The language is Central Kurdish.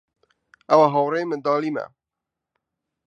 ئەو هاوڕێی منداڵیمە.